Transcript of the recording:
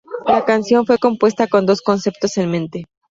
La canción fue compuesta con dos conceptos en mente.